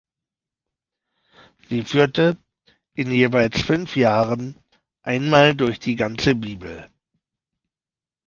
Sie führte in jeweils fünf Jahren einmal durch die ganze Bibel.